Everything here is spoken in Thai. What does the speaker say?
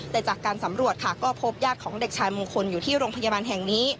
แต่จากการสำรวจค่ะก็พบญาติของเด็กชายมงคลอยู่ที่โรงพยาบาลแห่งนี้